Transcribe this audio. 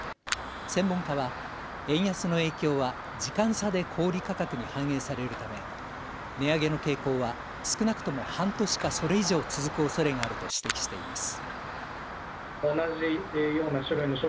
専門家は円安の影響は時間差で小売価格に反映されるため値上げの傾向は少なくとも半年かそれ以上、続くおそれがあると指摘しています。